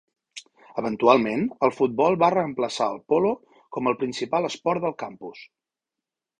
Eventualment, el futbol va reemplaçar el polo com el principal esport del campus.